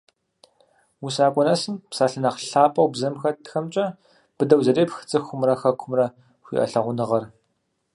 УсакӀуэ нэсым, псалъэ нэхъ лъапӀэу бзэм хэтхэмкӀэ, быдэу зэрепх цӀыхумрэ Хэкумрэ хуиӀэ лъагъуныгъэр.